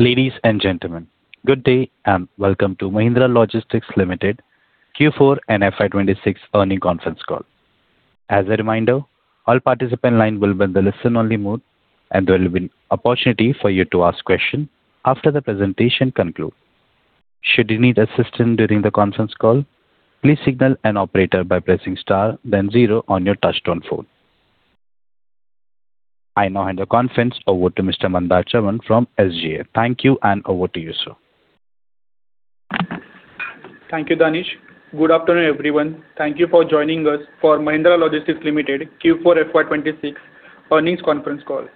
Ladies and gentlemen, good day, and welcome to Mahindra Logistics Limited Q4 and FY 2026 earnings conference call. As a reminder, all participant lines will be in the listen-only mode, and there will be an opportunity for you to ask questions after the presentation concludes. Should you need assistance during the conference call, please signal an operator by pressing star then zero on your touch-tone phone. I now hand the conference over to Mr. Mandar Chavan from SGA. Thank you, and over to you, sir. Thank you, Danish. Good afternoon, everyone. Thank you for joining us for Mahindra Logistics Limited Q4 FY 2026 earnings conference call.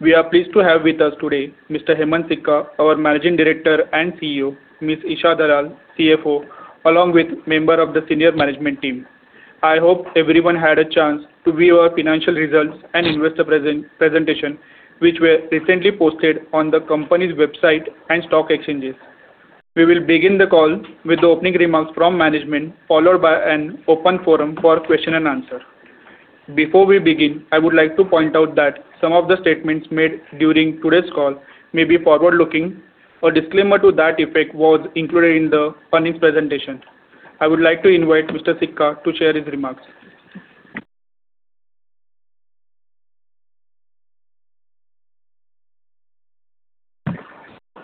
We are pleased to have with us today Mr. Hemant Sikka, our Managing Director and CEO, Ms. Isha Dalal, CFO, along with member of the senior management team. I hope everyone had a chance to view our financial results and investor presentation, which were recently posted on the company's website and stock exchanges. We will begin the call with the opening remarks from management, followed by an open forum for question and answer. Before we begin, I would like to point out that some of the statements made during today's call may be forward-looking. A disclaimer to that effect was included in the earnings presentation. I would like to invite Mr. Sikka to share his remarks.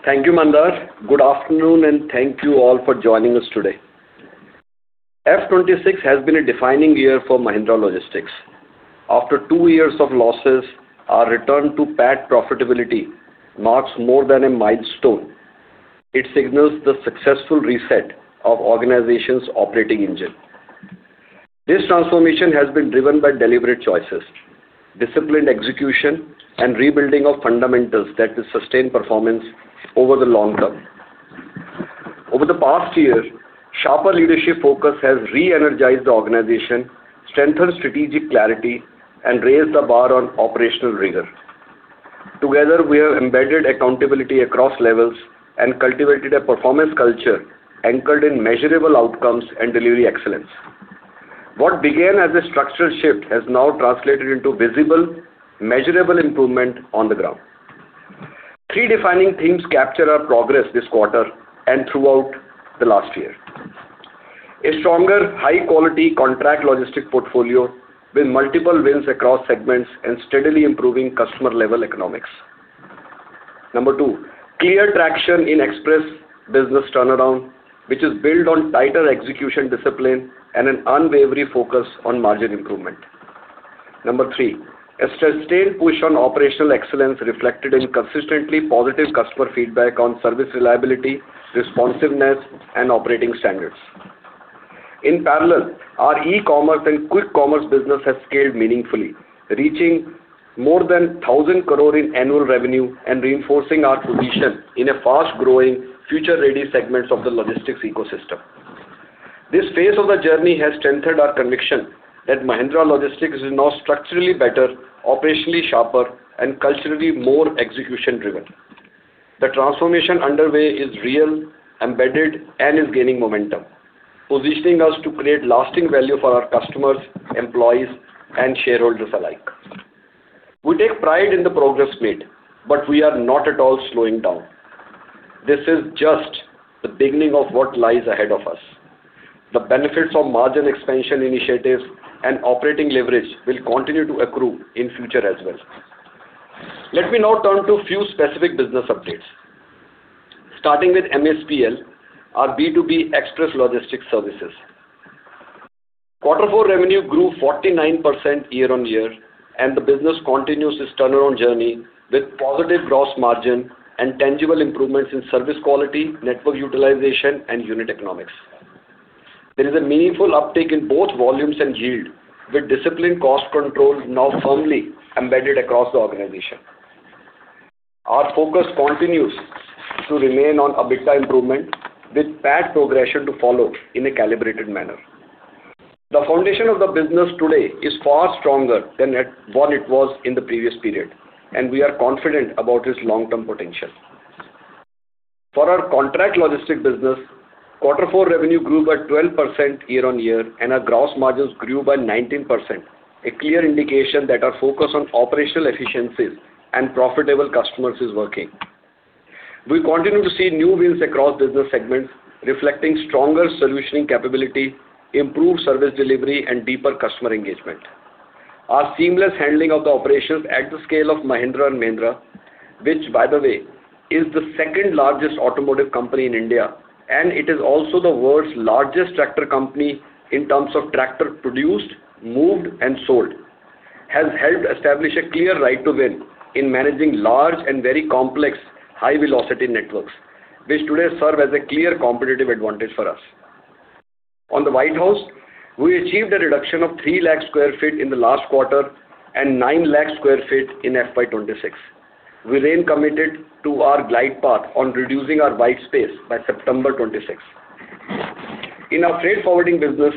Thank you, Mandar. Good afternoon, and thank you all for joining us today. FY 2026 has been a defining year for Mahindra Logistics. After two years of losses, our return to PAT profitability marks more than a milestone. It signals the successful reset of the organization's operating engine. This transformation has been driven by deliberate choices, disciplined execution, and rebuilding of fundamentals that will sustain performance over the long term. Over the past year, sharper leadership focus has re-energized the organization, strengthened strategic clarity and raised the bar on operational rigor. Together, we have embedded accountability across levels and cultivated a performance culture anchored in measurable outcomes and delivery excellence. What began as a structural shift has now translated into visible, measurable improvement on the ground. Three defining themes capture our progress this quarter and throughout the last year. A stronger, high-quality contract logistics portfolio with multiple wins across segments and steadily improving customer-level economics. Number two, clear traction in express business turnaround, which is built on tighter execution discipline and an unwavering focus on margin improvement. Number three, a sustained push on operational excellence reflected in consistently positive customer feedback on service reliability, responsiveness, and operating standards. In parallel, our e-commerce and quick commerce business has scaled meaningfully, reaching more than 1,000 crore in annual revenue and reinforcing our position in a fast-growing, future-ready segments of the logistics ecosystem. This phase of the journey has strengthened our conviction that Mahindra Logistics is now structurally better, operationally sharper and culturally more execution-driven. The transformation underway is real, embedded, and is gaining momentum, positioning us to create lasting value for our customers, employees, and shareholders alike. We take pride in the progress made, but we are not at all slowing down. This is just the beginning of what lies ahead of us. The benefits of margin expansion initiatives and operating leverage will continue to accrue in future as well. Let me now turn to a few specific business updates. Starting with MESPL, our B2B express logistics services. Quarter four revenue grew 49% year-over-year, and the business continues its turnaround journey with positive gross margin and tangible improvements in service quality, network utilization, and unit economics. There is a meaningful uptick in both volumes and yield, with disciplined cost control now firmly embedded across the organization. Our focus continues to remain on EBITDA improvement with PAT progression to follow in a calibrated manner. The foundation of the business today is far stronger than what it was in the previous period, and we are confident about its long-term potential. For our contract logistics business, quarter four revenue grew by 12% year-on-year, and our gross margins grew by 19%, a clear indication that our focus on operational efficiencies and profitable customers is working. We continue to see new wins across business segments reflecting stronger solutioning capability, improved service delivery, and deeper customer engagement. Our seamless handling of the operations at the scale of Mahindra & Mahindra, which by the way is the second largest automotive company in India, and it is also the world's largest tractor company in terms of tractor produced, moved, and sold, has helped establish a clear right to win in managing large and very complex high-velocity networks, which today serve as a clear competitive advantage for us. On the warehouse, we achieved a reduction of 300,000 sq ft in the last quarter and 900,000 sq ft in FY 2026. We remain committed to our glide path on reducing our white space by September 2026. In our freight forwarding business,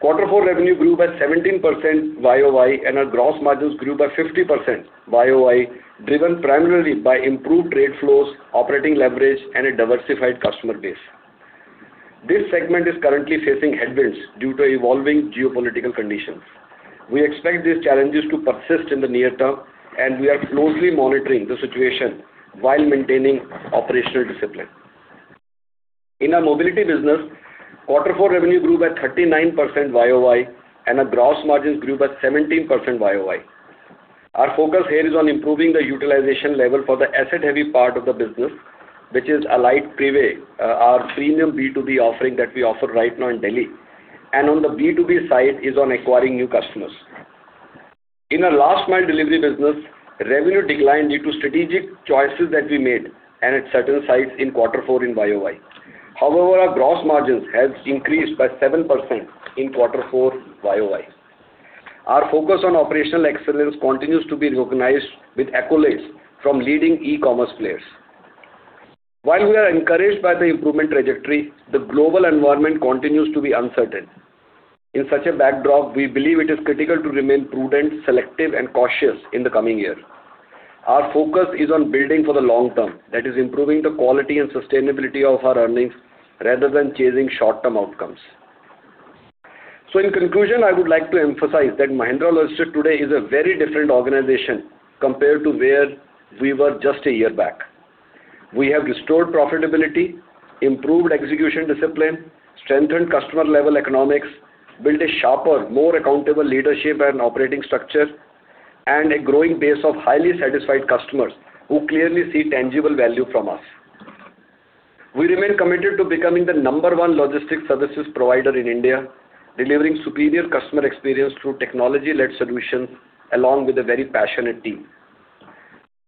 quarter four revenue grew by 17% YoY, and our gross margins grew by 50% YoY, driven primarily by improved trade flows, operating leverage, and a diversified customer base. This segment is currently facing headwinds due to evolving geopolitical conditions. We expect these challenges to persist in the near term, and we are closely monitoring the situation while maintaining operational discipline. In our mobility business, quarter four revenue grew by 39% YoY, and our gross margins grew by 17% YoY. Our focus here is on improving the utilization level for the asset-heavy part of the business, which is Alyte Prive, our premium B2B offering that we offer right now in Delhi, and on the B2B side is on acquiring new customers. In our last mile delivery business, revenue declined due to strategic choices that we made and at certain sites in quarter four in YoY. However, our gross margins have increased by 7% in quarter four YoY. Our focus on operational excellence continues to be recognized with accolades from leading e-commerce players. While we are encouraged by the improvement trajectory, the global environment continues to be uncertain. In such a backdrop, we believe it is critical to remain prudent, selective, and cautious in the coming year. Our focus is on building for the long term, that is improving the quality and sustainability of our earnings rather than chasing short-term outcomes. In conclusion, I would like to emphasize that Mahindra Logistics today is a very different organization compared to where we were just a year back. We have restored profitability, improved execution discipline, strengthened customer-level economics, built a sharper, more accountable leadership and operating structure, and a growing base of highly satisfied customers who clearly see tangible value from us. We remain committed to becoming the number one logistics services provider in India, delivering superior customer experience through technology-led solutions, along with a very passionate team.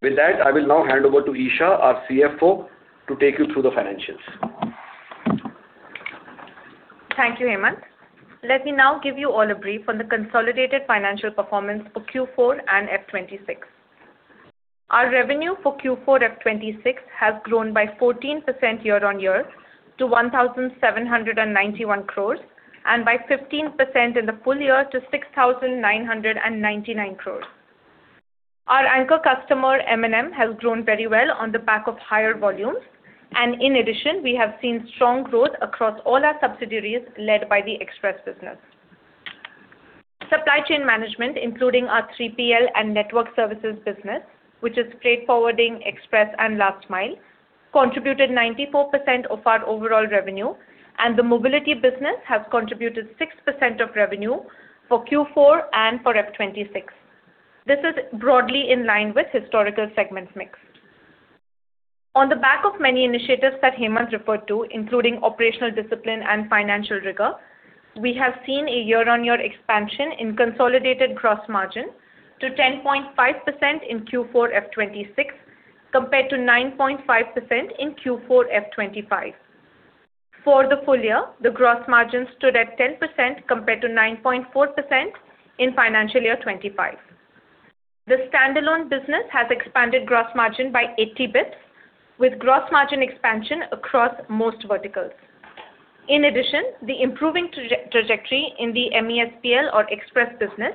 With that, I will now hand over to Isha, our CFO, to take you through the financials. Thank you, Hemant. Let me now give you all a brief on the consolidated financial performance for Q4 and FY 2026. Our revenue for Q4 FY 2026 has grown by 14% year-on-year to 1,791 crore and by 15% in the full year to 6,999 crore. Our anchor customer, M&M, has grown very well on the back of higher volumes. In addition, we have seen strong growth across all our subsidiaries, led by the express business. Supply chain management, including our 3PL and network services business, which is freight forwarding express and last mile, contributed 94% of our overall revenue, and the mobility business has contributed 6% of revenue for Q4 and for FY 2026. This is broadly in line with historical segment mix. On the back of many initiatives that Hemant referred to, including operational discipline and financial rigor, we have seen a year-on-year expansion in consolidated gross margin to 10.5% in Q4 FY 2026, compared to 9.5% in Q4 FY 2025. For the full year, the gross margin stood at 10%, compared to 9.4% in financial year 2025. The standalone business has expanded gross margin by 80 basis points, with gross margin expansion across most verticals. In addition, the improving trajectory in the MESPL or express business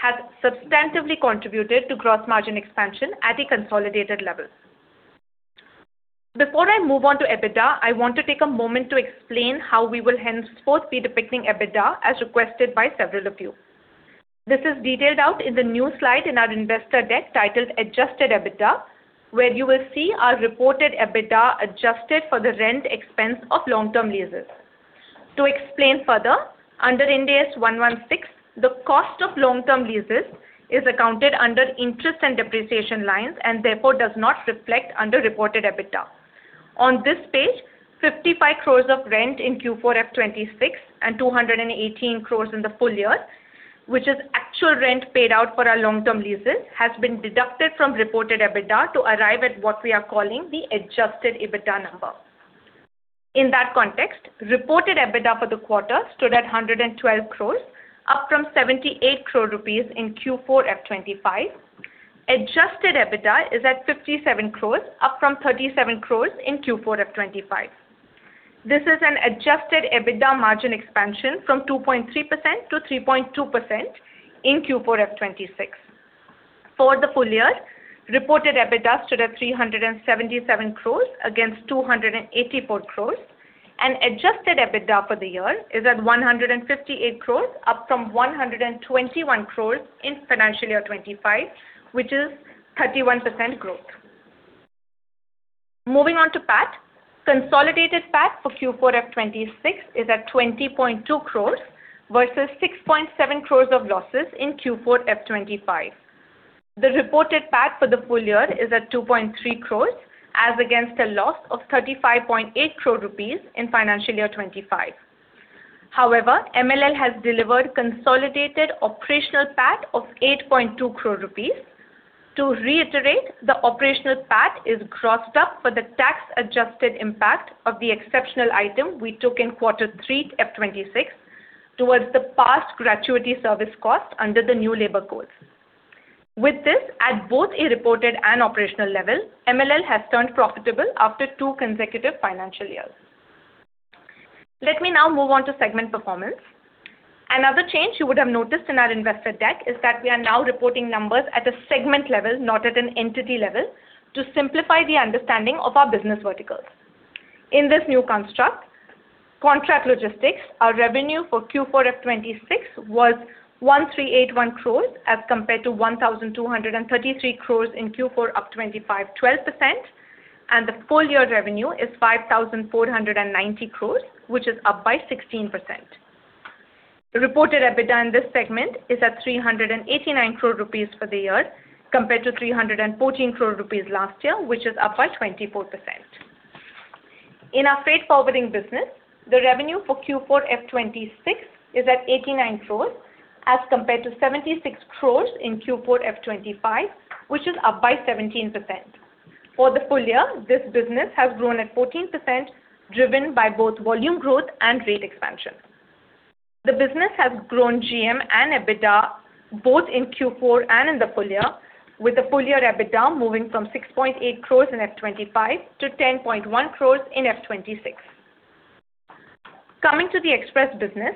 has substantively contributed to gross margin expansion at a consolidated level. Before I move on to EBITDA, I want to take a moment to explain how we will henceforth be depicting EBITDA as requested by several of you. This is detailed out in the new slide in our investor deck titled Adjusted EBITDA, where you will see our reported EBITDA adjusted for the rent expense of long-term leases. To explain further, under Ind AS 116, the cost of long-term leases is accounted under interest and depreciation lines and therefore does not reflect in reported EBITDA. On this page, 55 crore of rent in Q4 FY 2026 and 218 crore in the full year, which is actual rent paid out for our long-term leases, has been deducted from reported EBITDA to arrive at what we are calling the Adjusted EBITDA number. In that context, reported EBITDA for the quarter stood at 112 crore, up from 78 crore rupees in Q4 FY 2025. Adjusted EBITDA is at 57 crore, up from 37 crore in Q4 FY 2025. This is an Adjusted EBITDA margin expansion from 2.3%-3.2% in Q4 FY 2026. For the full year, reported EBITDA stood at 377 crore against 284 crore, and Adjusted EBITDA for the year is at 158 crore, up from 121 crore in FY 2025, which is 31% growth. Moving on to PAT. Consolidated PAT for Q4 FY 2026 is at 20.2 crore versus losses of 6.7 crore in Q4 FY 2025. The reported PAT for the full year is at 2.3 crore, as against a loss of 35.8 crore rupees in FY 2025. However, MLL has delivered consolidated operational PAT of 8.2 crore rupees. To reiterate, the operational PAT is grossed up for the tax-adjusted impact of the exceptional item we took in Q3 FY 2026 towards the past gratuity service cost under the new labor codes. With this, at both a reported and operational level, MLL has turned profitable after two consecutive financial years. Let me now move on to segment performance. Another change you would have noticed in our investor deck is that we are now reporting numbers at a segment level, not at an entity level, to simplify the understanding of our business verticals. In this new construct, contract logistics, our revenue for Q4 FY 2026 was 1,381 crore as compared to 1,233 crore in Q4, up 25.12%, and the full year revenue is 5,490 crore, which is up by 16%. The reported EBITDA in this segment is at 389 crore rupees for the year compared to 314 crore rupees last year, which is up by 24%. In our freight forwarding business, the revenue for Q4 FY 2026 is at 89 crore as compared to 76 crore in Q4 FY 2025, which is up by 17%. For the full year, this business has grown at 14%, driven by both volume growth and rate expansion. The business has grown GM and EBITDA both in Q4 and in the full year, with the full year EBITDA moving from 6.8 crore in FY 2025 to 10.1 crore in FY 2026. Coming to the express business,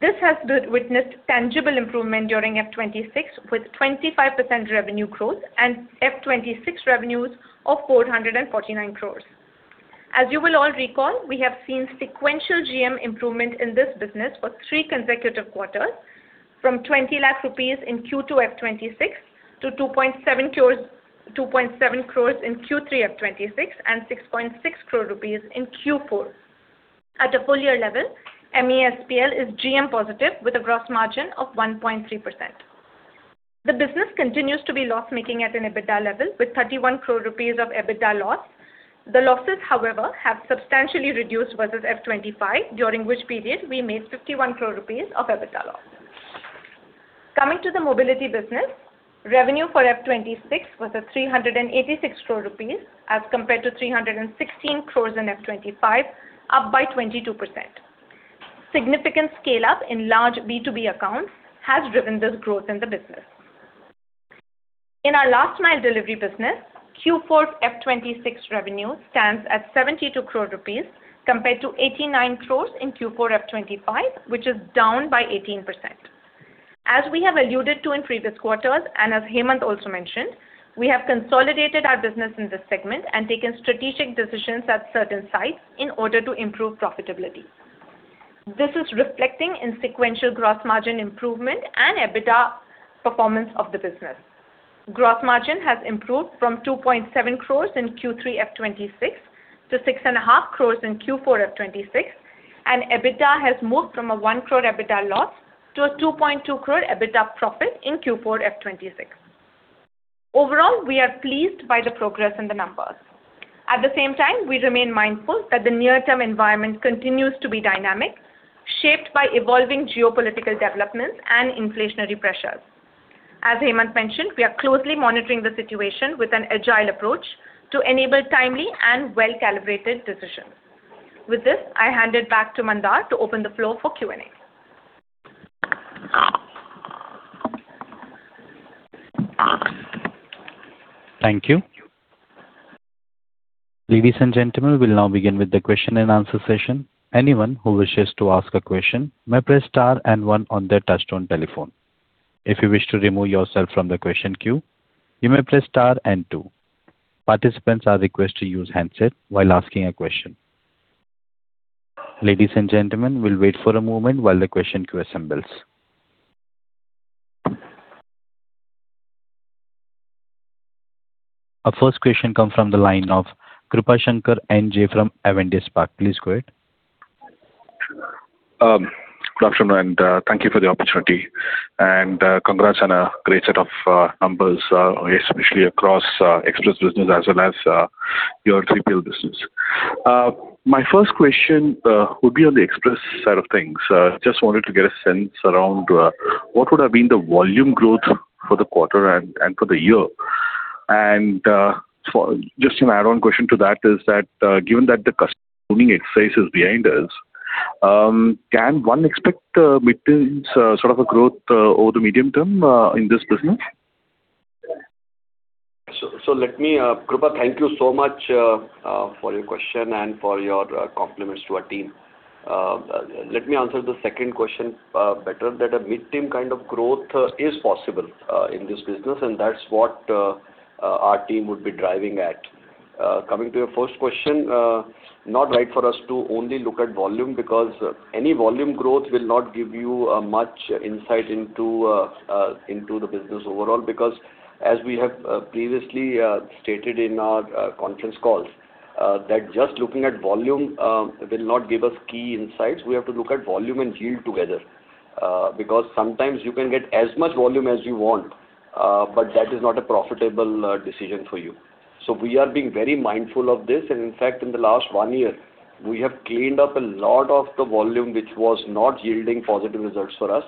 this has witnessed tangible improvement during FY 2026 with 25% revenue growth and FY 2026 revenues of 449 crore. As you will all recall, we have seen sequential GM improvement in this business for three consecutive quarters, from 20 lakh rupees in Q2 FY 2026 to 2.7 crore in Q3 FY 2026, and 6.6 crore rupees in Q4. At a full year level, MESPL is GM positive with a gross margin of 1.3%. The business continues to be loss-making at an EBITDA level, with 31 crore rupees of EBITDA loss. The losses, however, have substantially reduced versus FY 2025, during which period we made 51 crore rupees of EBITDA loss. Coming to the mobility business, revenue for FY 2026 was at 386 crore rupees as compared to 316 crore in FY 2025, up by 22%. Significant scale-up in large B2B accounts has driven this growth in the business. In our last mile delivery business, Q4 FY 2026 revenue stands at 72 crore rupees, compared to 89 crore in Q4 FY 2025, which is down by 18%. As we have alluded to in previous quarters, and as Hemant also mentioned, we have consolidated our business in this segment and taken strategic decisions at certain sites in order to improve profitability. This is reflecting in sequential gross margin improvement and EBITDA performance of the business. Gross margin has improved from 2.7 crore in Q3 FY 2026 to 6.5 crore in Q4 FY 2026, and EBITDA has moved from a 1 crore EBITDA loss to a 2.2 crore EBITDA profit in Q4 FY 2026. Overall, we are pleased by the progress in the numbers. At the same time, we remain mindful that the near-term environment continues to be dynamic, shaped by evolving geopolitical developments and inflationary pressures. As Hemant mentioned, we are closely monitoring the situation with an agile approach to enable timely and well-calibrated decisions. With this, I hand it back to Mandar to open the floor for Q&A. Thank you. Ladies and gentlemen, we'll now begin with the question and answer session. Anyone who wishes to ask a question may press star and one on their touchtone telephone. If you wish to remove yourself from the question queue, you may press star and two. Participants are requested to use handset while asking a question. Ladies and gentlemen, we'll wait for a moment while the question queue assembles. Our first question comes from the line of Krupashankar NJ from Avendus Spark. Please go ahead. Good afternoon, and thank you for the opportunity, and congrats on a great set of numbers, especially across express business as well as your 3PL business. My first question would be on the express side of things. Just wanted to get a sense around what would have been the volume growth for the quarter and for the year. Just an add-on question to that is that, given that the exercise is behind us, can one expect mid-teens sort of a growth over the medium term in this business? Let me, Krupa, thank you so much for your question and for your compliments to our team. Let me answer the second question better, that a mid-term kind of growth is possible in this business, and that's what our team would be driving at. Coming to your first question, not right for us to only look at volume because any volume growth will not give you much insight into the business overall, because as we have previously stated in our conference calls, that just looking at volume will not give us key insights. We have to look at volume and yield together, because sometimes you can get as much volume as you want, but that is not a profitable decision for you. We are being very mindful of this, and in fact, in the last one year, we have cleaned up a lot of the volume which was not yielding positive results for us,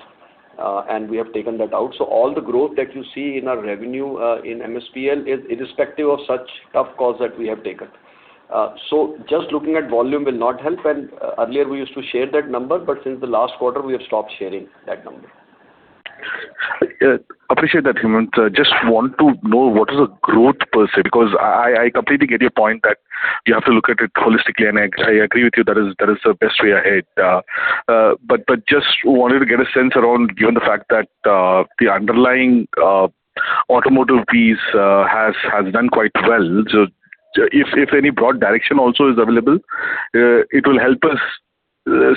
and we have taken that out. All the growth that you see in our revenue in MESPL is irrespective of such tough calls that we have taken. Just looking at volume will not help, and earlier we used to share that number, but since the last quarter, we have stopped sharing that number. Appreciate that, Hemant. Just want to know what is the growth per se, because I completely get your point that you have to look at it holistically, and I agree with you, that is the best way ahead. Just wanted to get a sense around, given the fact that the underlying automotive piece has done quite well. If any broad direction also is available, it will help us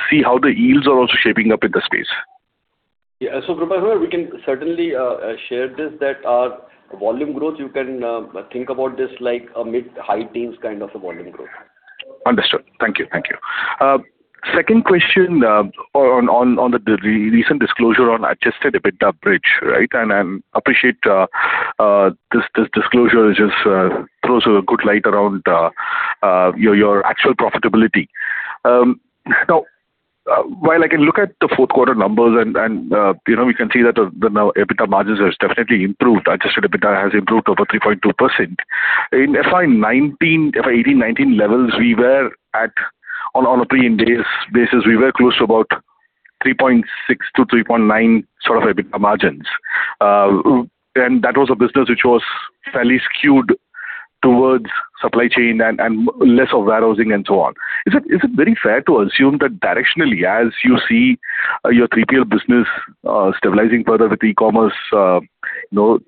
see how the yields are also shaping up in the space. Yeah. Krupashankar NJ, we can certainly share this, that our volume growth, you can think about this like a mid-high teens kind of a volume growth. Understood. Thank you. Second question on the recent disclosure on Adjusted EBITDA bridge, right? I appreciate this disclosure just throws a good light around your actual profitability. Now, while I can look at the fourth quarter numbers, and we can see that the new EBITDA margins has definitely improved. Adjusted EBITDA has improved over 3.2%. In FY 2018, 2019 levels, on a pre-Ind AS basis, we were close to about 3.6%-3.9% sort of EBITDA margins. That was a business which was fairly skewed towards supply chain and less of warehousing and so on. Is it very fair to assume that directionally, as you see your three-tier business stabilizing further with e-commerce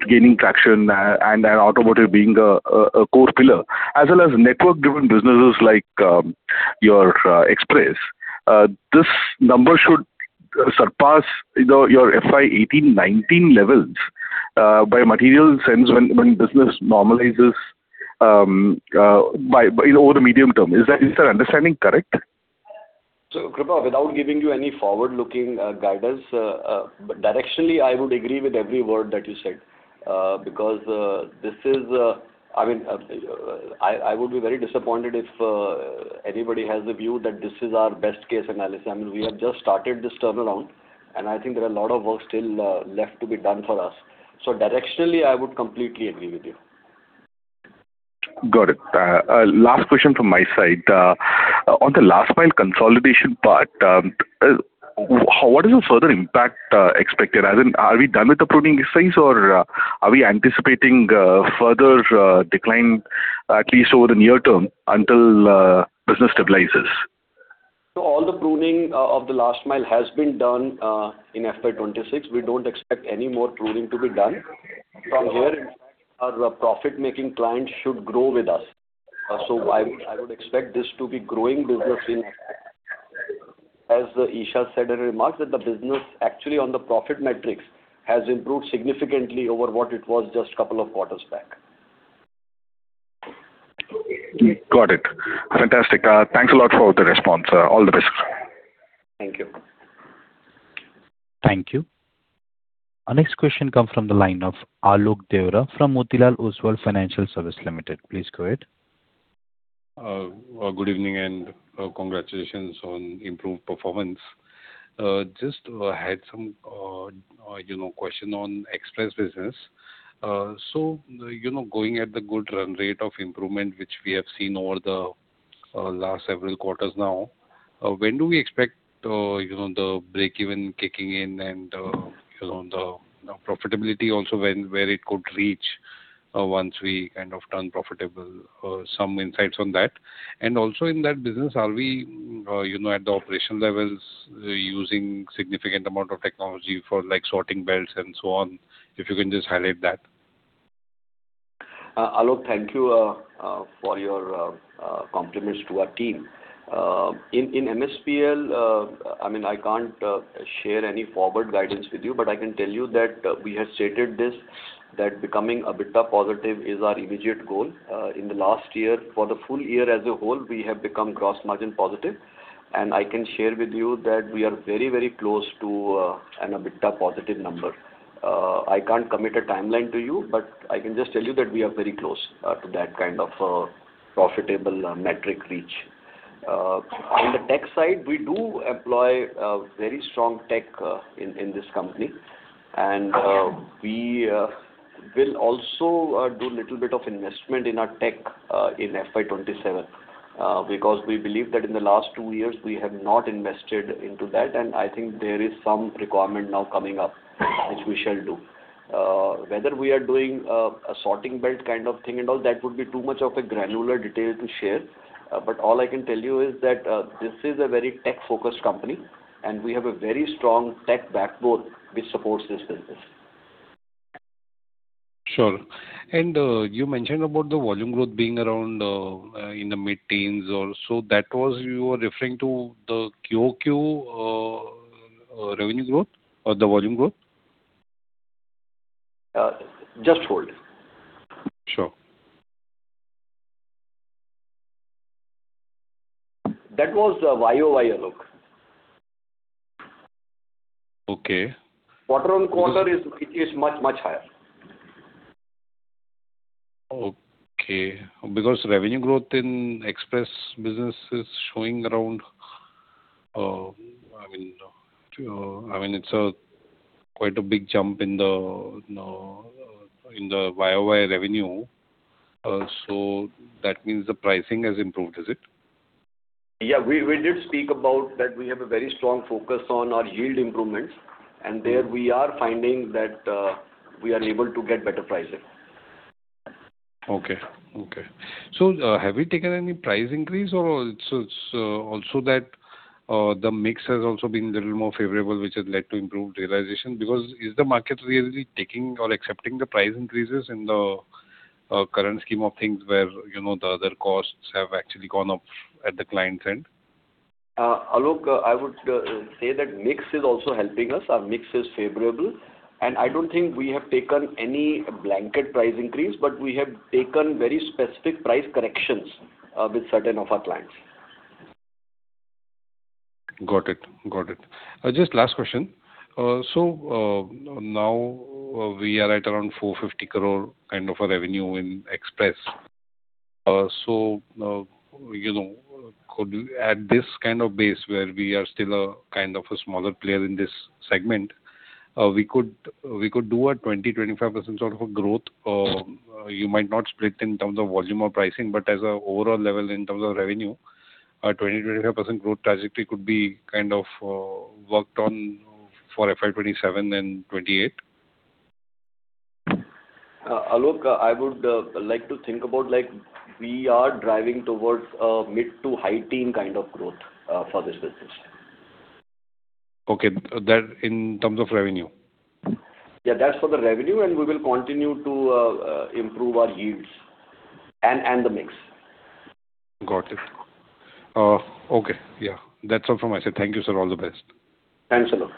gaining traction and automotive being a core pillar, as well as network-driven businesses like your express, this number should surpass your FY 2018, 2019 levels by a material sense when business normalizes over the medium term. Is that understanding correct? Krupa, without giving you any forward-looking guidance, directionally, I would agree with every word that you said because I would be very disappointed if anybody has a view that this is our best case analysis. I mean, we have just started this turnaround, and I think there are a lot of work still left to be done for us. Directionally, I would completely agree with you. Got it. Last question from my side. On the last-mile consolidation part, what is the further impact expected? As in, are we done with the pruning phase, or are we anticipating further decline, at least over the near term, until business stabilizes? All the pruning of the last mile has been done in FY 2026. We don't expect any more pruning to be done. From here, our profit-making clients should grow with us. I would expect this to be growing business as Isha said in remarks, that the business actually on the profit metrics has improved significantly over what it was just a couple of quarters back. Got it. Fantastic. Thanks a lot for the response. All the best. Thank you. Thank you. Our next question comes from the line of Alok Deora from Motilal Oswal Financial Services Limited. Please go ahead. Good evening, and congratulations on improved performance. Just had some question on express business. Going at the good run rate of improvement, which we have seen over the last several quarters now, when do we expect the break-even kicking in and the profitability also where it could reach once we turn profitable? Some insights on that. Also in that business, are we at the operation levels using significant amount of technology for sorting belts and so on? If you can just highlight that. Alok, thank you for your compliments to our team. In MESPL, I can't share any forward guidance with you, but I can tell you that we have stated this, that becoming EBITDA positive is our immediate goal. In the last year, for the full year as a whole, we have become gross margin positive, and I can share with you that we are very close to an EBITDA positive number. I can't commit a timeline to you, but I can just tell you that we are very close to that kind of profitable metric reach. On the tech side, we do employ a very strong tech in this company, and we will also do little bit of investment in our tech in FY 2027, because we believe that in the last two years, we have not invested into that, and I think there is some requirement now coming up which we shall do. Whether we are doing a sorting belt kind of thing and all, that would be too much of a granular detail to share. All I can tell you is that this is a very tech-focused company, and we have a very strong tech backbone which supports this business. Sure. You mentioned about the volume growth being around in the mid-teens or so. That was what you were referring to the QoQ revenue growth or the volume growth? Just hold. Sure. That was the YoY, Alok. Okay. Quarter-over-quarter it is much higher. Okay. Because revenue growth in express business is showing around. I mean, it's quite a big jump in the YoY revenue. That means the pricing has improved, is it? Yeah, we did speak about that we have a very strong focus on our yield improvements, and there we are finding that we are able to get better pricing. Okay. Have you taken any price increase or it's also that the mix has also been a little more favorable, which has led to improved realization? Because is the market really taking or accepting the price increases in the current scheme of things where the other costs have actually gone up at the client end? Alok, I would say that mix is also helping us. Our mix is favorable, and I don't think we have taken any blanket price increase, but we have taken very specific price corrections with certain of our clients. Got it. Just last question. Now we are at around 450 crore kind of a revenue in Express. At this kind of base where we are still a kind of a smaller player in this segment, we could do a 20%-25% sort of a growth. You might not split in terms of volume or pricing, but as an overall level in terms of revenue, a 20%-25% growth trajectory could be kind of worked on for FY 2027 and 2028. Alok, I would like to think about like we are driving towards a mid- to high-teens kind of growth for this business. Okay. That in terms of revenue? Yeah, that's for the revenue, and we will continue to improve our yields and the mix. Got it. Okay. Yeah. That's all from my side. Thank you, sir. All the best. Thanks, Alok.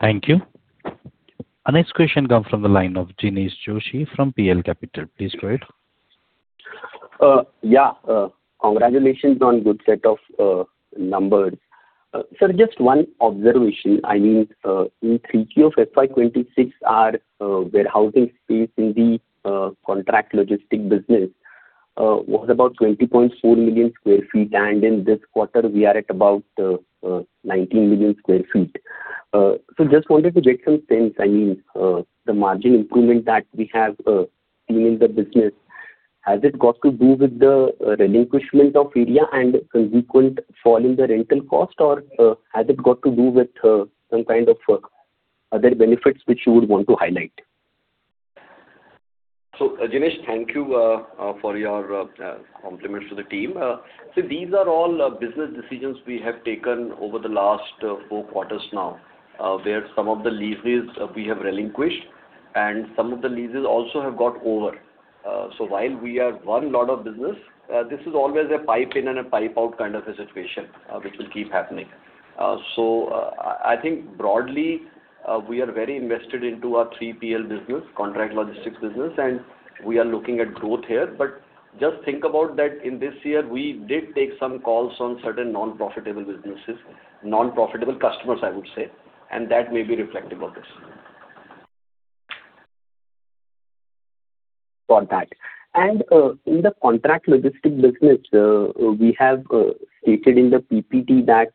Thank you. Our next question comes from the line of Jinesh Joshi from PL Capital. Please go ahead. Yeah. Congratulations on good set of numbers. Sir, just one observation. I mean, in Q3 of FY 2026, our warehousing space in the contract logistics business was about 20.4 million sq ft, and in this quarter, we are at about 19 million sq ft. Just wanted to get some sense. I mean, the margin improvement that we have seen in the business, has it got to do with the relinquishment of area and consequent fall in the rental cost, or has it got to do with some kind of other benefits which you would want to highlight? Jinesh, thank you for your compliments to the team. These are all business decisions we have taken over the last four quarters now, where some of the leases we have relinquished, and some of the leases also have got over. While we have won lot of business, this is always a pipe in and a pipe out kind of a situation, which will keep happening. I think broadly, we are very invested into our 3PL business, contract logistics business, and we are looking at growth here. Just think about that in this year, we did take some calls on certain non-profitable businesses, non-profitable customers, I would say, and that may be reflective of this. Got that. In the contract logistics business, we have stated in the PPT that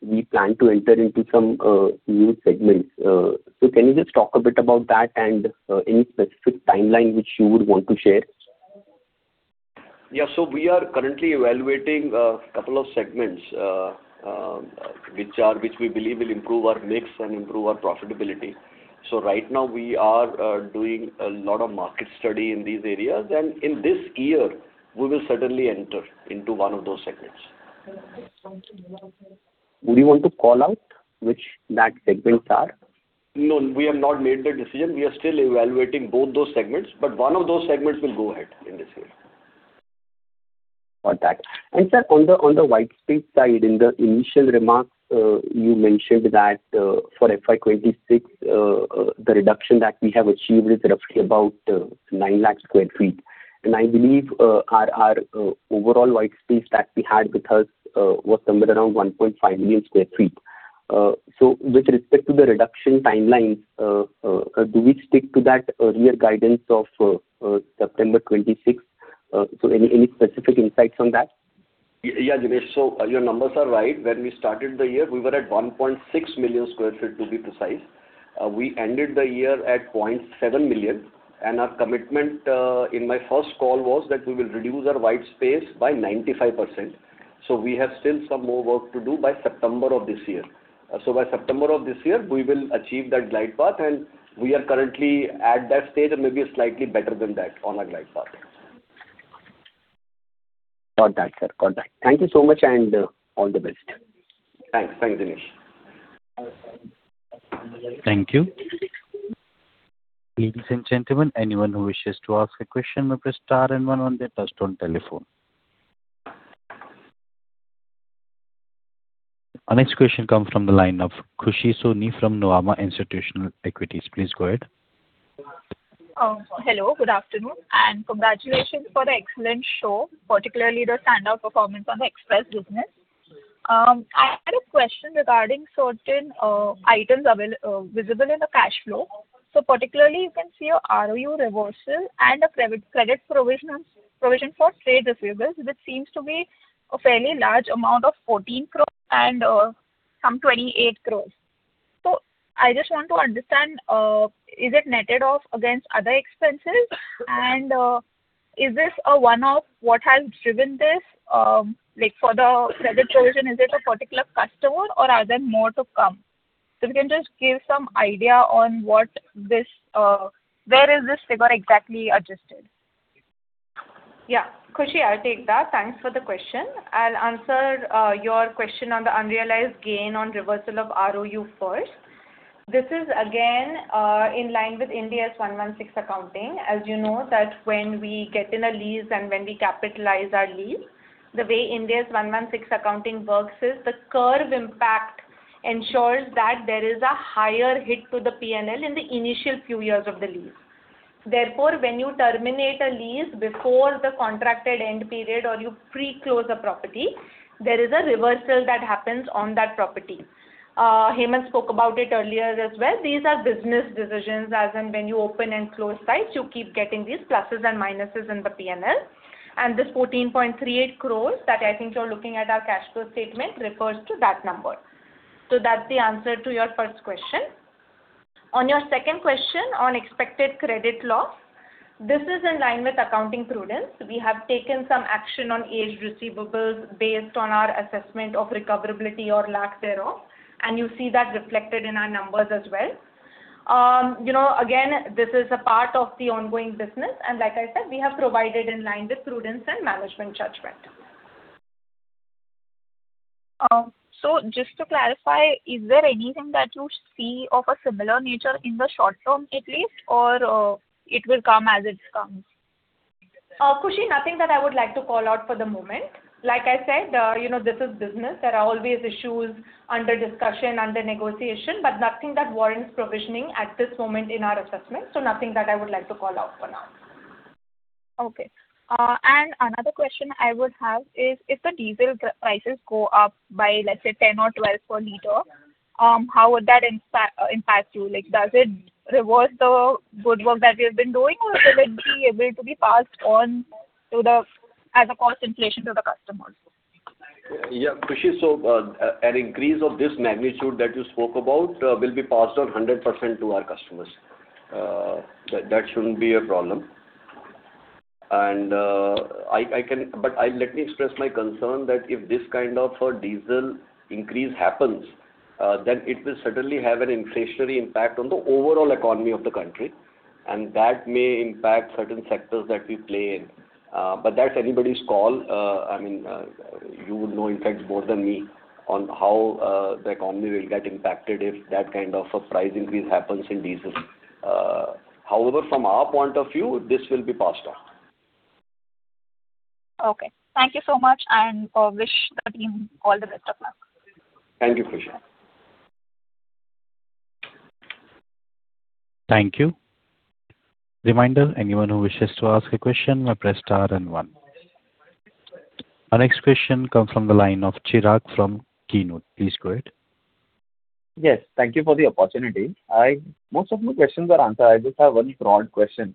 we plan to enter into some new segments. Can you just talk a bit about that and any specific timeline which you would want to share? Yeah. We are currently evaluating a couple of segments, which we believe will improve our mix and improve our profitability. Right now we are doing a lot of market study in these areas, and in this year, we will certainly enter into one of those segments. Would you want to call out which segments are? No, we have not made the decision. We are still evaluating both those segments, but one of those segments will go ahead in this year. Got that. Sir, on the warehouse space side, in the initial remarks, you mentioned that for FY 2026, the reduction that we have achieved is roughly about 9 lakh sq ft. I believe our overall warehouse space that we had with us was somewhere around 1.5 million sq ft. With respect to the reduction timelines, do we stick to that earlier guidance of September 2026? Any specific insights on that? Yeah, Jinesh. Your numbers are right. When we started the year, we were at 1.6 million sq ft, to be precise. We ended the year at 0.7 million sq ft, and our commitment in my first call was that we will reduce our warehouse space by 95%. We have still some more work to do by September of this year. By September of this year, we will achieve that glide path, and we are currently at that stage and maybe slightly better than that on our glide path. Got that, sir. Thank you so much, and all the best. Thanks, Jinesh. Thank you. Ladies and gentlemen, anyone who wishes to ask a question may press star and one on their touchtone telephone. Our next question comes from the line of Khushi Soni from Nuvama Institutional Equities. Please go ahead. Hello, good afternoon, and congratulations for the excellent show, particularly the standout performance on the Express business. I had a question regarding certain items visible in the cash flow. Particularly you can see a ROU reversal and a credit provision for trade receivables, which seems to be a fairly large amount of 14 crore and some 28 crore. I just want to understand, is it netted off against other expenses? Is this a one-off, what has driven this? Like for the credit provision, is it a particular customer or are there more to come? If you can just give some idea on where is this figure exactly adjusted. Yeah. Khushi, I'll take that. Thanks for the question. I'll answer your question on the unrealized gain on reversal of ROU first. This is again, in line with Ind AS 116 accounting, as you know, that when we get in a lease and when we capitalize our lease, the way Ind AS 116 accounting works is the curve impact ensures that there is a higher hit to the P&L in the initial few years of the lease. Therefore, when you terminate a lease before the contracted end period or you pre-close a property, there is a reversal that happens on that property. Hemant spoke about it earlier as well. These are business decisions, as in when you open and close sites, you keep getting these pluses and minuses in the P&L. This 14.38 crore that I think you're looking at our cash flow statement refers to that number. That's the answer to your first question. On your second question on Expected Credit Loss, this is in line with accounting prudence. We have taken some action on aged receivables based on our assessment of recoverability or lack thereof, and you see that reflected in our numbers as well. Again, this is a part of the ongoing business, and like I said, we have provided in line with prudence and management judgment. Just to clarify, is there anything that you see of a similar nature in the short term at least, or it will come as it comes? Khushi, nothing that I would like to call out for the moment. Like I said, this is business. There are always issues under discussion, under negotiation, but nothing that warrants provisioning at this moment in our assessment. Nothing that I would like to call out for now. Okay. Another question I would have is, if the diesel prices go up by, let's say, 10 or 12 per liter, how would that impact you? Does it reverse the good work that we have been doing, or will it be able to be passed on as a cost inflation to the customers? Yeah. Khushi, so an increase of this magnitude that you spoke about will be passed on 100% to our customers. That shouldn't be a problem. Let me express my concern that if this kind of a diesel increase happens, then it will certainly have an inflationary impact on the overall economy of the country, and that may impact certain sectors that we play in. That's anybody's call. You would know, in fact, more than me on how the economy will get impacted if that kind of a price increase happens in diesel. However, from our point of view, this will be passed on. Okay. Thank you so much, and wish the team all the best of luck. Thank you, Khushi. Thank you. Reminder, anyone who wishes to ask a question, now press star and one. Our next question comes from the line of Chirag from Keynote. Please go ahead. Yes, thank you for the opportunity. Most of my questions are answered. I just have one broad question.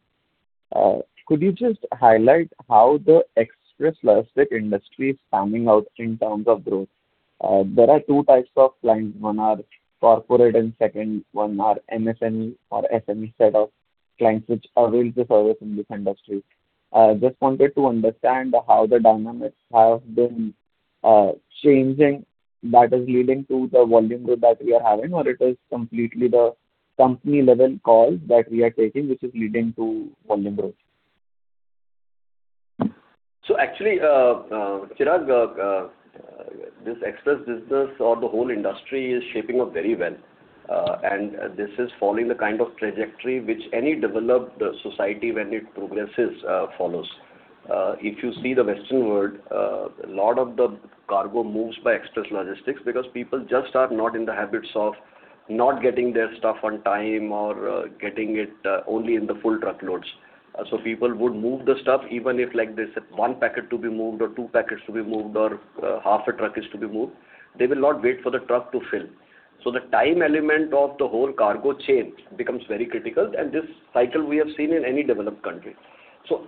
Could you just highlight how the express logistics industry is panning out in terms of growth? There are two types of clients. One are corporate and second one are MSME or SME set of clients which avail the service in this industry. Just wanted to understand how the dynamics have been changing that is leading to the volume growth that we are having, or it is completely the company level calls that we are taking, which is leading to volume growth. Actually, Chirag, this express business or the whole industry is shaping up very well. This is following the kind of trajectory which any developed society when it progresses, follows. If you see the Western world, a lot of the cargo moves by express logistics because people just are not in the habits of not getting their stuff on time or getting it only in the full truckloads. People would move the stuff, even if like they said, one packet to be moved or two packets to be moved or half a truck is to be moved. They will not wait for the truck to fill. The time element of the whole cargo chain becomes very critical, and this cycle we have seen in any developed country.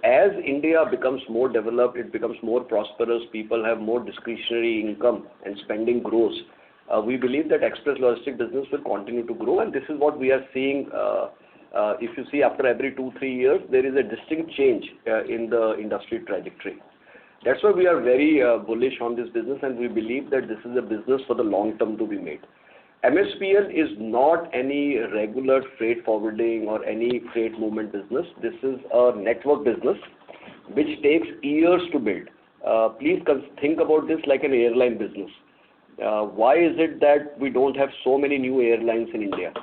As India becomes more developed, it becomes more prosperous. People have more discretionary income and spending grows. We believe that express logistics business will continue to grow and this is what we are seeing. If you see after every two, three years, there is a distinct change in the industry trajectory. That's why we are very bullish on this business, and we believe that this is a business for the long term to be made. MESPL is not any regular freight forwarding or any freight movement business. This is a network business which takes years to build. Please think about this like an airline business. Why is it that we don't have so many new airlines in India?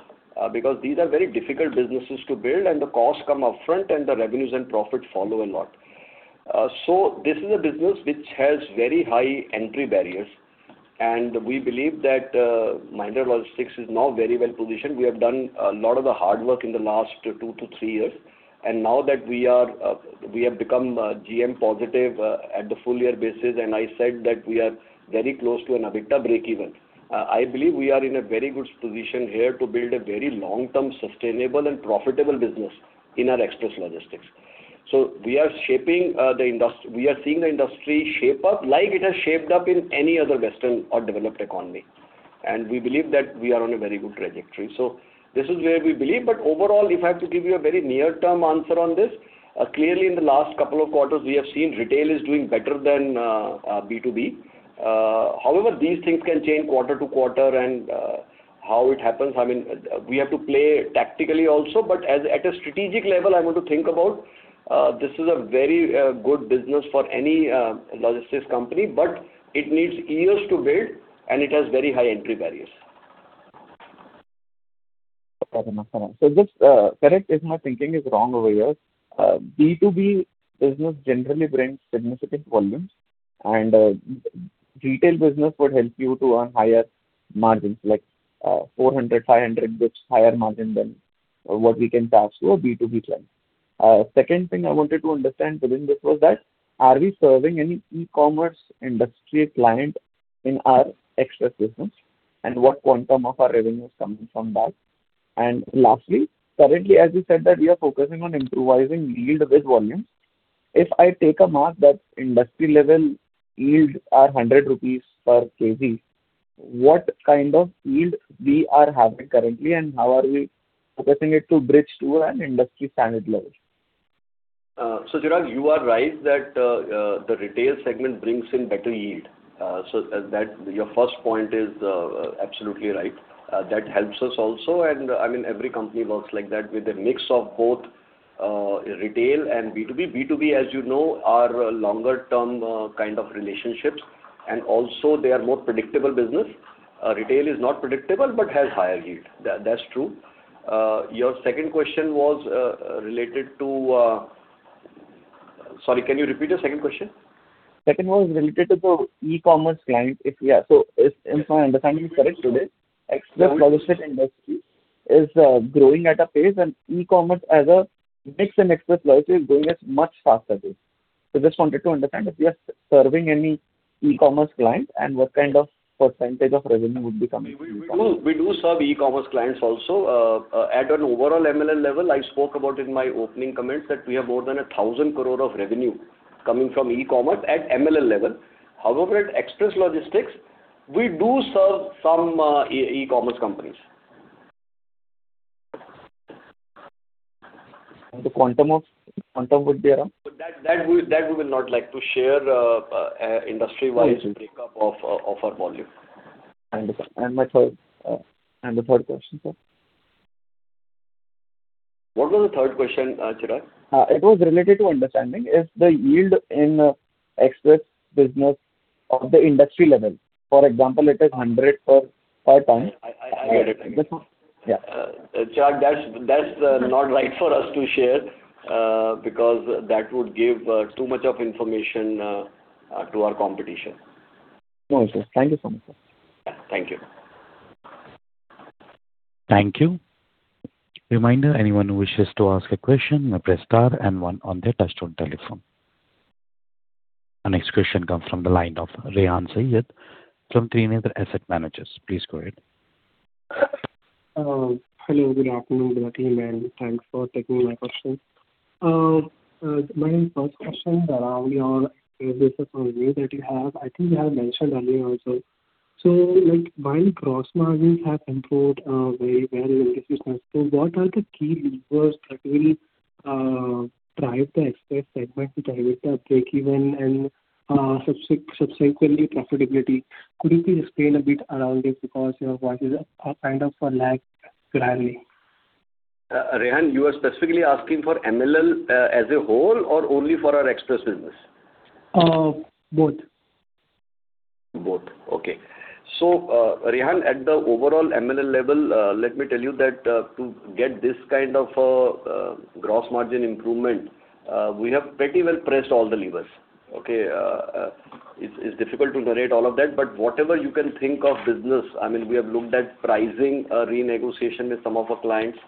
Because these are very difficult businesses to build and the costs come up front and the revenues and profit follow later. This is a business which has very high entry barriers, and we believe that Mahindra Logistics is now very well-positioned. We have done a lot of the hard work in the last two to three years. Now that we have become GM positive at the full year basis, and I said that we are very close to an EBITDA breakeven. I believe we are in a very good position here to build a very long-term sustainable and profitable business in our express logistics. We are seeing the industry shape up like it has shaped up in any other Western or developed economy, and we believe that we are on a very good trajectory. This is where we believe. Overall, if I have to give you a very near-term answer on this, clearly in the last couple of quarters, we have seen retail is doing better than B2B. However, these things can change quarter to quarter and how it happens, we have to play tactically also. At a strategic level, I want to think about this. This is a very good business for any logistics company, but it needs years to build, and it has very high entry barriers. Okay. Just correct if my thinking is wrong over here. B2B business generally brings significant volumes, and retail business would help you to earn higher margins, like 400-500, which higher margin than what we can pass to a B2B client. Second thing I wanted to understand within this was that, are we serving any e-commerce industry client in our express business, and what quantum of our revenue is coming from that? Lastly, currently, as you said that we are focusing on improving yield with volume. If I take a mark that industry level yields are 100 rupees per kg, what kind of yield we are having currently, and how are we focusing it to bridge to an industry standard level? Chirag, you are right that the retail segment brings in better yield. Your first point is absolutely right. That helps us also, and every company works like that with a mix of both retail and B2B. B2B, as you know, are longer term kind of relationships, and also they are more predictable business. Retail is not predictable but has higher yield. That's true. Your second question was related to. Sorry, can you repeat your second question? Second was related to the e-commerce client. If my understanding is correct today, express logistics industry is growing at a pace, and e-commerce as a mix in express logistics is growing at much faster pace. Just wanted to understand if we are serving any e-commerce client and what kind of percentage of revenue would be coming from e-commerce. We do serve e-commerce clients also. At an overall MLL level, I spoke about in my opening comments that we have more than 1,000 crore of revenue coming from e-commerce at MLL level. However, at express logistics, we do serve some e-commerce companies. The quantum would be around? That we will not like to share, industry-wise. Mm-hmm. breakup of our volume. Understood. The third question, sir? What was the third question, Chirag? It was related to understanding if the yield in express business of the industry level, for example, it is 100 per ton. I get it. Yeah. Chirag, that's not right for us to share, because that would give too much of information to our competition. No, sir. Thank you so much, sir. Thank you. Thank you. Reminder, anyone who wishes to ask a question may press star and one on their touch-tone telephone. Our next question comes from the line of Rehan Saiyyed from Trinetra Asset Managers. Please go ahead. Hello, good afternoon to the team, and thanks for taking my question. My first question around your business overview that you have, I think you have mentioned earlier also. While gross margins have improved very well in this business, so what are the key levers that will drive the express segment to generate the breakeven and subsequently profitability? Could you please explain a bit around it because your margins are kind of lagging greatly? Rehan, you are specifically asking for MLL as a whole or only for our express business? Both. Both. Okay. Rehan, at the overall MLL level, let me tell you that to get this kind of gross margin improvement, we have pretty well pressed all the levers. Okay? It's difficult to narrate all of that, but whatever you can think of business, we have looked at pricing, renegotiation with some of our clients.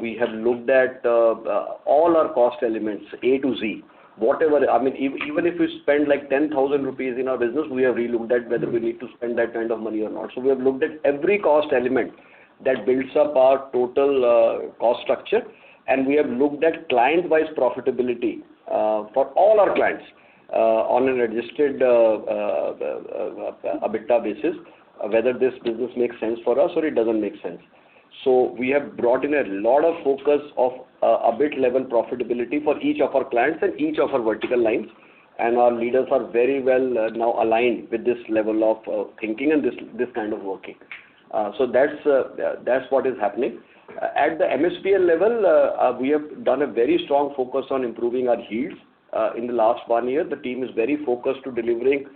We have looked at all our cost elements, A to Z. Even if we spend like 10,000 rupees in our business, we have re-looked at whether we need to spend that kind of money or not. We have looked at every cost element that builds up our total cost structure, and we have looked at client-wise profitability, for all our clients, on an Adjusted EBITDA basis, whether this business makes sense for us or it doesn't make sense. We have brought in a lot of focus of EBIT level profitability for each of our clients and each of our vertical lines, and our leaders are very well now aligned with this level of thinking and this kind of working. That's what is happening. At the MESPL level, we have done a very strong focus on improving our yields. In the last one year, the team is very focused to delivering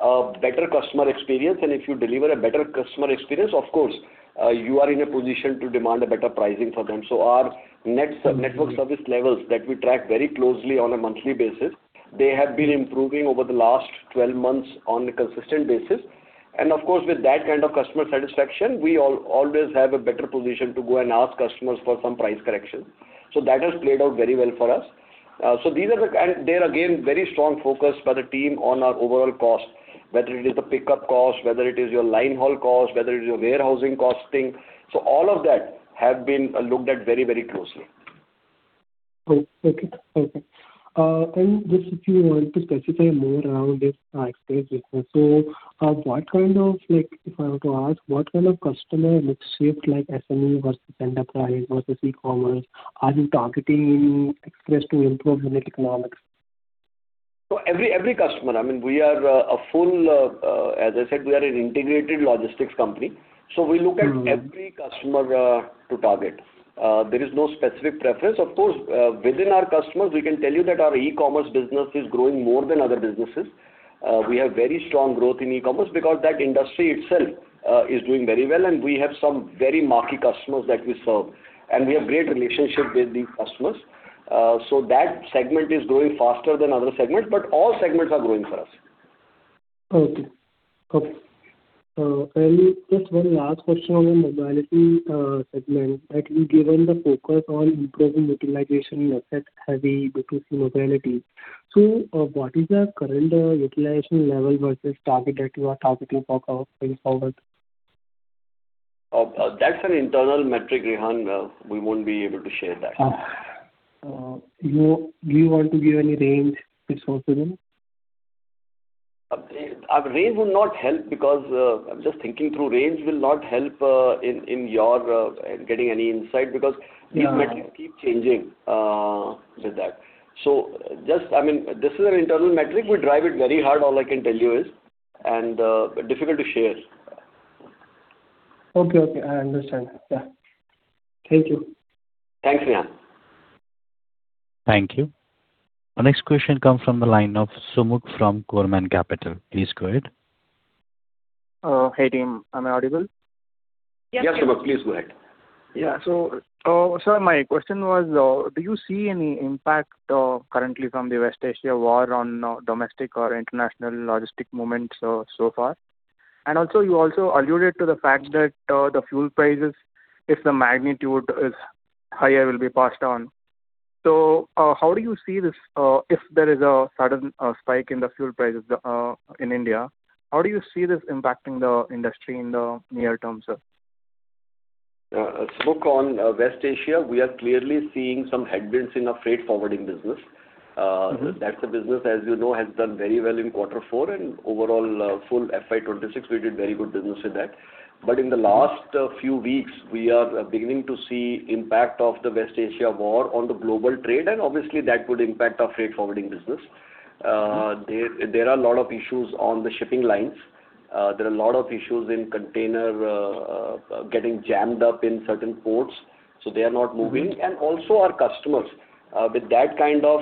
a better customer experience, and if you deliver a better customer experience, of course, you are in a position to demand a better pricing for them. Our network service levels that we track very closely on a monthly basis, they have been improving over the last 12 months on a consistent basis. Of course, with that kind of customer satisfaction, we always have a better position to go and ask customers for some price correction. That has played out very well for us. There again, very strong focus by the team on our overall costs. Whether it is the pickup cost, whether it is your line haul cost, whether it is your warehousing cost, so all of that have been looked at very closely. Okay. Just if you want to specify more around this Express business. If I were to ask, what kind of customer mix shift, like SME versus enterprise versus e-commerce, are you targeting in Express to improve unit economics? Every customer, we are a full, as I said, we are an integrated logistics company, so we look at every customer to target. There is no specific preference. Of course, within our customers, we can tell you that our e-commerce business is growing more than other businesses. We have very strong growth in e-commerce because that industry itself is doing very well, and we have some very marquee customers that we serve, and we have great relationship with these customers. That segment is growing faster than other segments, but all segments are growing for us. Okay. Just one last question on the mobility segment. I think given the focus on improving utilization in asset heavy B2C mobility, what is your current utilization level versus target that you are targeting for going forward? That's an internal metric, Rehan. We won't be able to share that. Do you want to give any range if possible? A range will not help because, I'm just thinking through, range will not help in your getting any insight because these metrics keep changing with that. This is an internal metric. We drive it very hard, all I can tell you is difficult to share. Okay. I understand. Yeah. Thank you. Thanks, Rehan. Thank you. Our next question comes from the line of Sumukh from Goldman Sachs. Please go ahead. Hey, team. Am I audible? Yes, Sumukh, please go ahead. Yeah. My question was, do you see any impact currently from the West Asia war on domestic or international logistics movements so far? Also, you also alluded to the fact that the fuel prices, if the magnitude is higher, will be passed on. How do you see this, if there is a sudden spike in the fuel prices in India, how do you see this impacting the industry in the near term, sir? Sumukh, on West Asia, we are clearly seeing some headwinds in our freight forwarding business. That's a business, as you know, has done very well in quarter four and overall full FY 2026, we did very good business with that. In the last few weeks, we are beginning to see impact of the West Asia war on the global trade, and obviously that would impact our freight forwarding business. There are a lot of issues on the shipping lines. There are a lot of issues in container getting jammed up in certain ports, so they are not moving. Also our customers with that kind of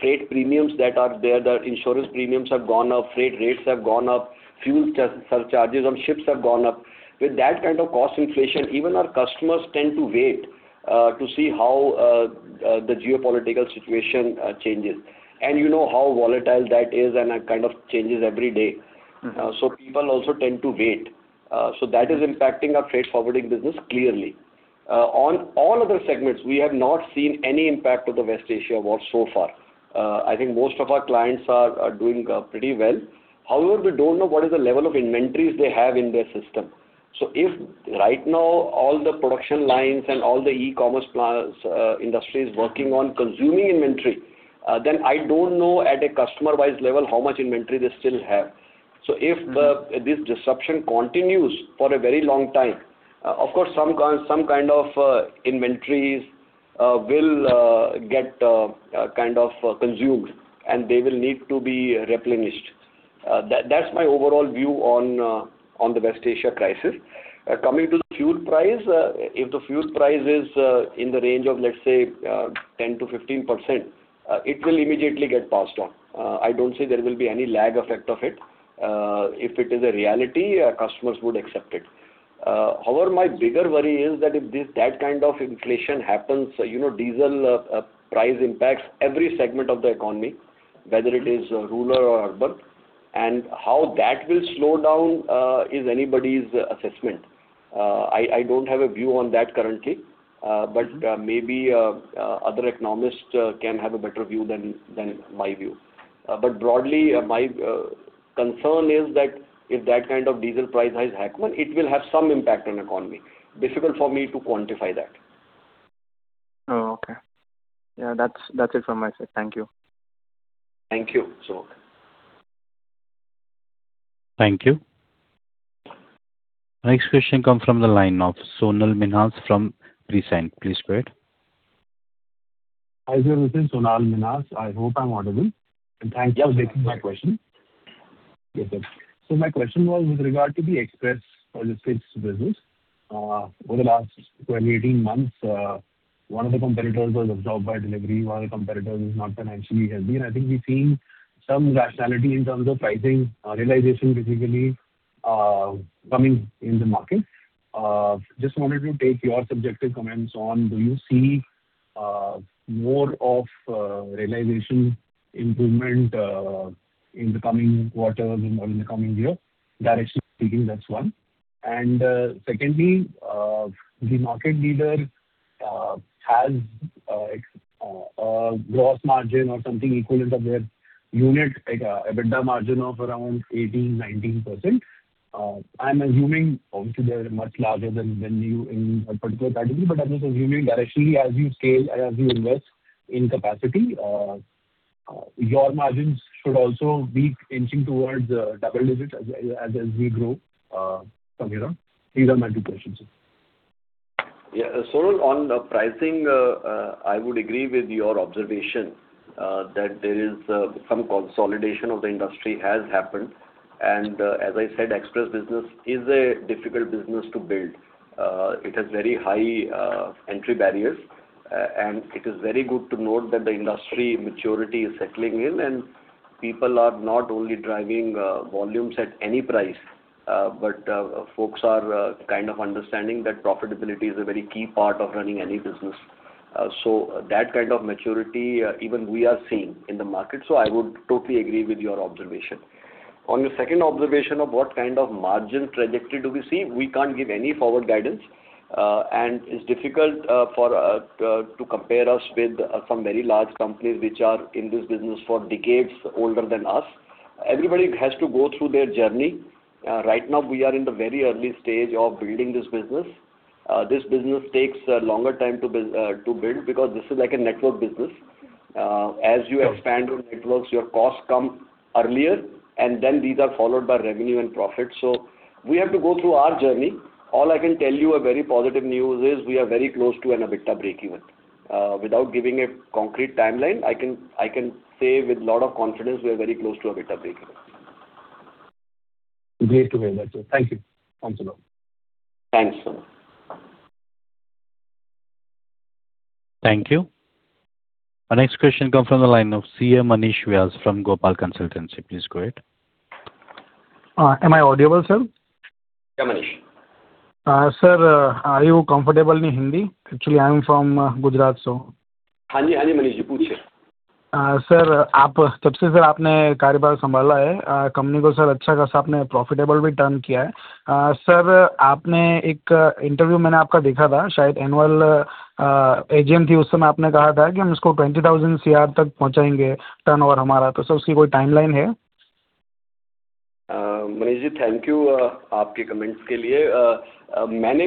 freight premiums that are there, the insurance premiums have gone up, freight rates have gone up, fuel surcharges on ships have gone up. With that kind of cost inflation, even our customers tend to wait to see how the geopolitical situation changes. You know how volatile that is, and that kind of changes every day. Mm-hmm. People also tend to wait. That is impacting our freight forwarding business, clearly. On all other segments, we have not seen any impact of the West Asia war so far. I think most of our clients are doing pretty well. However, we don't know what is the level of inventories they have in their system. If right now all the production lines and all the e-commerce industry is working on consuming inventory, then I don't know at a customer-wise level how much inventory they still have. If this disruption continues for a very long time, of course, some kind of inventories will get consumed, and they will need to be replenished. That's my overall view on the West Asia crisis. Coming to the fuel price, if the fuel price is in the range of, let's say, 10%-15%, it will immediately get passed on. I don't see there will be any lag effect of it. If it is a reality, our customers would accept it. However, my bigger worry is that if that kind of inflation happens, diesel price impacts every segment of the economy, whether it is rural or urban, and how that will slow down is anybody's assessment. I don't have a view on that currently, but maybe other economists can have a better view than my view. Broadly, my concern is that if that kind of diesel price rise happens, it will have some impact on economy. It's difficult for me to quantify that. Oh, okay. Yeah, that's it from my side. Thank you. Thank you, Sumukh. Thank you. Next question come from the line of Sonal Minhas from Prescient Capital. Please go ahead. Hi, good afternoon. Sonal Minhas. I hope I'm audible. Thanks for taking my question. Yes. Okay. My question was with regard to the Express logistics business. Over the last 12, 18 months, one of the competitors was absorbed by Delhivery, one of the competitors is not financially healthy, and I think we've seen some rationality in terms of pricing realization, basically, coming in the market. Just wanted to take your subjective comments on, do you see more of realization improvement in the coming quarters or in the coming year? Directionally speaking, that's one. And secondly, the market leader has a gross margin or something equivalent of their unit, like a EBITDA margin of around 18%-19%. I am assuming obviously they are much larger than you in a particular category, but I am just assuming that actually as you scale and as you invest in capacity, your margins should also be inching towards double digits as we grow from here on. These are my two questions, sir. Yeah, Sonal, on pricing, I would agree with your observation, that there is some consolidation of the industry has happened, and as I said, express business is a difficult business to build. It has very high entry barriers, and it is very good to note that the industry maturity is settling in and people are not only driving volumes at any price, but folks are kind of understanding that profitability is a very key part of running any business. That kind of maturity, even we are seeing in the market. I would totally agree with your observation. On the second observation of what kind of margin trajectory do we see, we can't give any forward guidance, and it's difficult to compare us with some very large companies which are in this business for decades older than us. Everybody has to go through their journey. Right now, we are in the very early stage of building this business. This business takes a longer time to build because this is like a network business. As you expand your networks, your costs come earlier, and then these are followed by revenue and profit. We have to go through our journey. All I can tell you a very positive news is we are very close to an EBITDA breakeven. Without giving a concrete timeline, I can say with a lot of confidence we are very close to EBITDA breakeven. Great to hear that, sir. Thank you. Thanks a lot. Thanks, Sonal. Thank you. Our next question comes from the line of C. M. Manish Vyas from Gopal Consultancy. Please go ahead. Am I audible, sir? Yeah, Manish. Sir, are you comfortable in Hindi? Actually, I am from Gujarat, so. Yes, Manish. Ask. Sir, since you have taken over the company, you have turned the company profitable. Sir, I had seen one of your interviews, maybe it was the annual AGM. At that time, you had said that we will increase our turnover to INR 20,000 crore. Sir, is there any timeline for that? Manish, thank you for your comments. I did not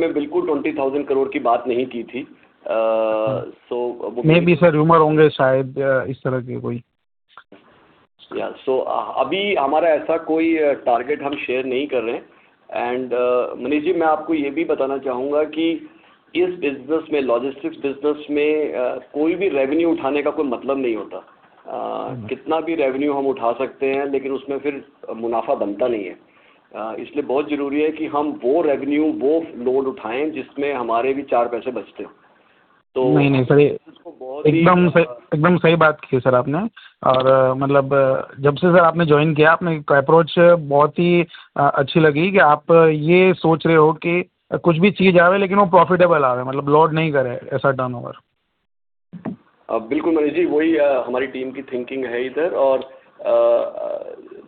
talk about INR 20,000 crore at all in the last AGM. Maybe, sir, there might be some rumors like that. Yeah. Right now, we are not sharing any such target and Manish, I would also like to tell you that in this business, in the logistics business, there is no point in raising any revenue. No matter how much revenue we can raise, but then there is no profit in it. That is why it is very important that we raise that revenue, that load, in which we also save four paise. No, sir. You are absolutely right, sir. Since you have joined, sir, I have liked your approach very much, that you are thinking that whatever comes, but it should be profitable. Meaning, do not load such a turnover. Absolutely, Manish. That is our team's thinking here, and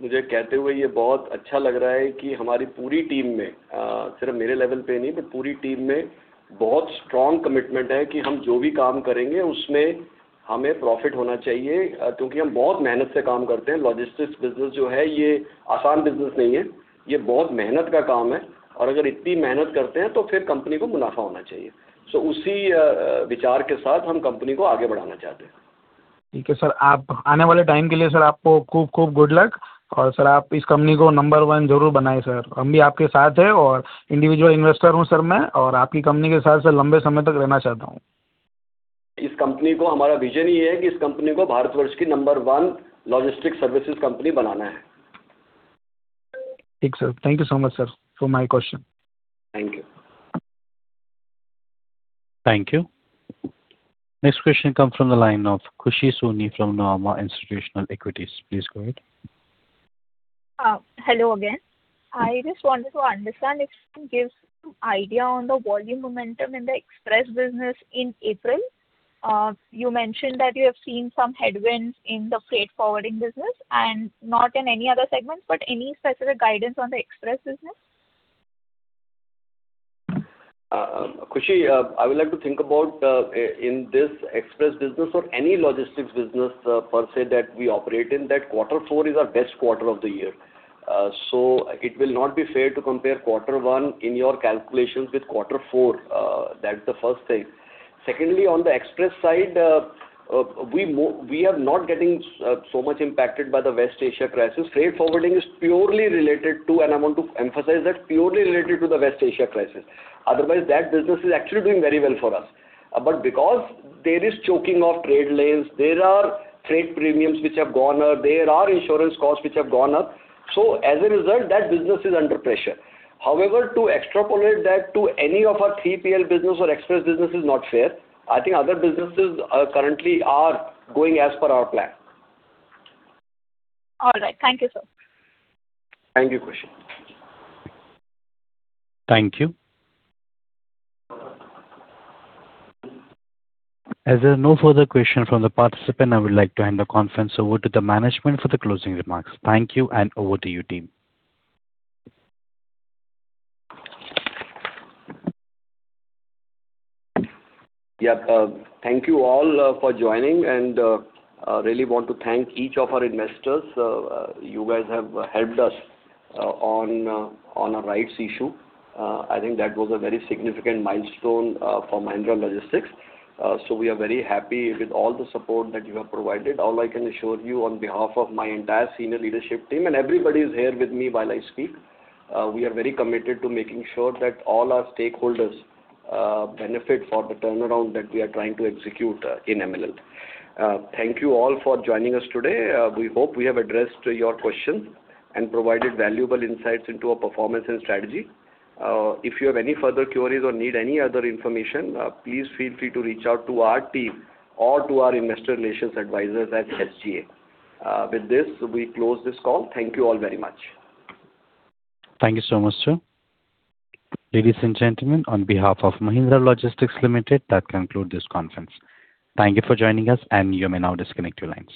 saying this, I feel very good that in our entire team, not just at my level, but in the entire team, there is a very strong commitment that whatever work we do, we should make a profit because we work very hard. Logistics business is not an easy business. It is a lot of hard work, and if we work so hard, then the company should make a profit. With that idea in mind, we want to take the company forward. Okay, sir. For the coming time, sir, I wish you good luck, and sir, you definitely make this company number one, sir. We are also with you, and I am an individual investor, sir, and I want to stay with your company for a long time. Our vision for this company is to make this company the number one logistics services company in India. Okay, sir. Thank you so much, sir, for my question. Thank you. Thank you. Next question comes from the line of Khushi Soni from Nuvama Institutional Equities. Please go ahead. Hello again. I just wanted to understand if you can give some idea on the volume momentum in the express business in April. You mentioned that you have seen some headwinds in the freight forwarding business and not in any other segments, but any specific guidance on the express business? Khushi, I would like to think about in this express business or any logistics business per se that we operate in, that quarter four is our best quarter of the year. It will not be fair to compare quarter one in your calculations with quarter four. That's the first thing. Secondly, on the express side, we are not getting so much impacted by the West Asia crisis. Freight forwarding is purely related to, and I want to emphasize that, purely related to the West Asia crisis. Otherwise, that business is actually doing very well for us. Because there is choking of trade lanes, there are freight premiums which have gone up, there are insurance costs which have gone up, so as a result, that business is under pressure. However, to extrapolate that to any of our 3PL business or express business is not fair. I think other businesses currently are going as per our plan. All right. Thank you, sir. Thank you, Khushi. Thank you. As there are no further questions from the participant, I would like to hand the conference over to the management for the closing remarks. Thank you, and over to you, team. Yeah. Thank you all for joining, and I really want to thank each of our investors. You guys have helped us on our rights issue. I think that was a very significant milestone for Mahindra Logistics. We are very happy with all the support that you have provided. All I can assure you on behalf of my entire senior leadership team, and everybody is here with me while I speak, we are very committed to making sure that all our stakeholders benefit for the turnaround that we are trying to execute in MLL. Thank you all for joining us today. We hope we have addressed your questions and provided valuable insights into our performance and strategy. If you have any further queries or need any other information, please feel free to reach out to our team or to our investor relations advisors at SGA. With this, we close this call. Thank you all very much. Thank you so much, sir. Ladies and gentlemen, on behalf of Mahindra Logistics Limited, that concludes this conference. Thank you for joining us, and you may now disconnect your lines.